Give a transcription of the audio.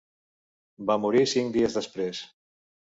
Va morir cinc dies després.